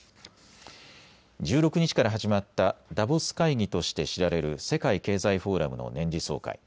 １６日から始まったダボス会議として知られる世界経済フォーラムの年次総会。